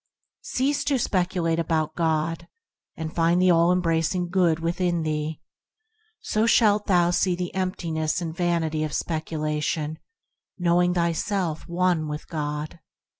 102 THE HEAVENLY LIFE Cease to speculate about God, and find the all embracing Good within thee; so shalt thou see the emptiness and vanity of speculation, knowing thyself one with God.